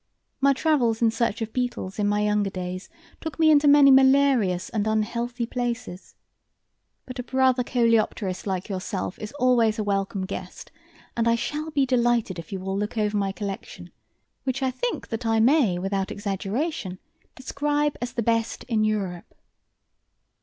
My travels in search of beetles in my younger days took me into many malarious and unhealthy places. But a brother coleopterist like yourself is always a welcome guest, and I shall be delighted if you will look over my collection, which I think that I may without exaggeration describe as the best in Europe."